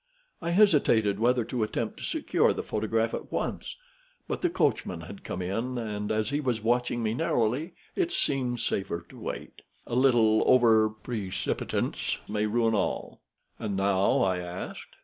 I hesitated whether to attempt to secure the photograph at once; but the coachman had come in, and as he was watching me narrowly, it seemed safer to wait. A little over precipitance may ruin all." "And now?" I asked.